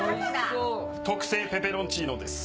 特製ペペロンチーノです。